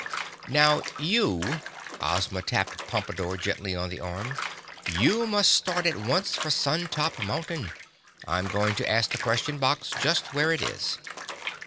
"Now you"—Ozma tapped Pompadore gently on the arm—"You must start at once for Sun Top Mountain. I'm going to ask the Question Box just where it is."